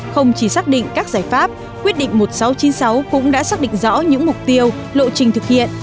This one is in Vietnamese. không chỉ xác định các giải pháp quyết định một nghìn sáu trăm chín mươi sáu cũng đã xác định rõ những mục tiêu lộ trình thực hiện